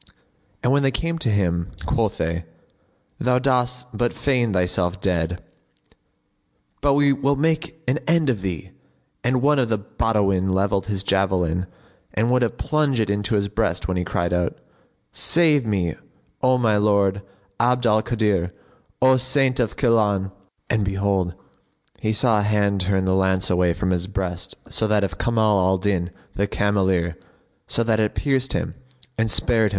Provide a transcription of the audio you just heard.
And when they came to him, quoth they, "Thou dost but feign thyself dead, but we will make an end of thee," and one of the Badawin levelled his javelin and would have plunged it into his breast when he cried out, "Save me, O my lord Abd al Kadir, O Saint of Gilan!" and behold, he saw a hand turn the lance away from his breast to that of Kamal al Din the cameleer, so that it pierced him and spared himself.